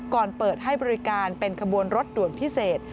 เปิดให้บริการเป็นขบวนรถด่วนพิเศษ